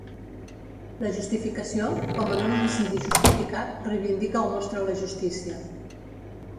La justificació, com en un homicidi justificat, reivindica o mostra la justícia.